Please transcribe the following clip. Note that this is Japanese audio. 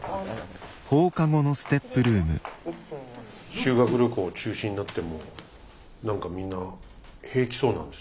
修学旅行中止になっても何かみんな平気そうなんです。